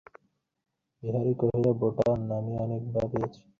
বিহারী কহিল, বোঠান, আমি অনেক ভাবিয়াছি।